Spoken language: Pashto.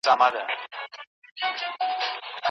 له خپل ځان باور ولره چي هر هدف ته رسېدای سې او پرمختګ وکړې .